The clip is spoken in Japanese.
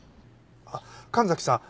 あっ神崎さん